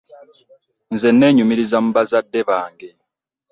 Nze nenyumiriza mu bazadde bange.